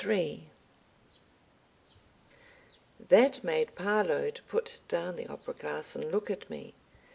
§ 3 That made Parload put down the opera glass and look at me.